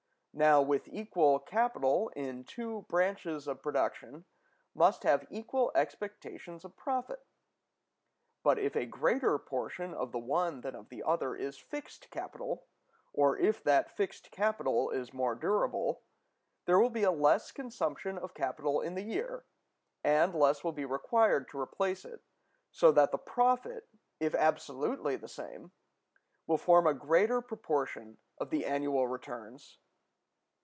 Now, equal capital in two branches of production must have equal expectations of profit; but if a greater portion of the one than of the other is fixed capital, or if that fixed capital is more durable, there will be a less consumption of capital in the year, and less will be required to replace it, so that the profit, if absolutely the same, will form a greater proportion of the annual returns.